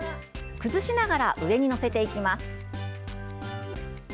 崩しながら上に載せていきます。